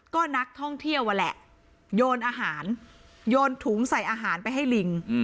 ก็นักท่องเที่ยวอะแหละโยนอาหารโยนถุงใส่อาหารไปให้ลิง